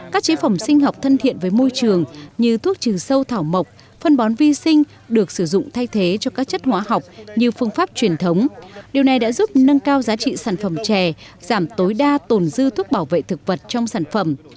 các chế phẩm sinh học thân thiện với môi trường như thuốc trừ sâu thảo mộc phân bón vi sinh được sử dụng thay thế cho các chất hóa học như phương pháp truyền thống điều này đã giúp nâng cao giá trị sản phẩm chè giảm tối đa tồn dư thuốc bảo vệ thực vật trong sản phẩm